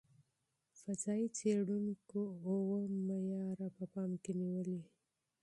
فضايي څېړونکو اوه معیارونه په پام کې نیولي.